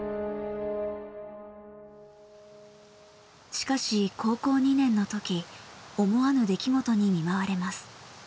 しかし高校２年の時思わぬ出来事に見舞われます。